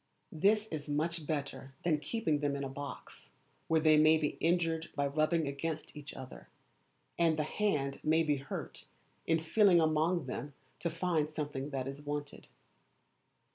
This is much better than keeping them in a box, where they may be injured by rubbing sgainst each other, and the hand may be hurt in feeling among them to find the thing that is wanted.